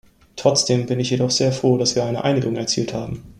Trotzdem bin ich jedoch sehr froh, dass wir eine Einigung erzielt haben.